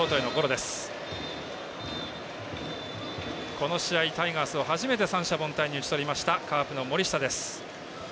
この試合、タイガースを初めて三者凡退に打ち取りましたカープの森下です。